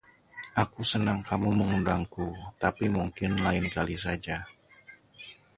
Aku senang kamu mengundangku, tapi mungkin lain kali saja.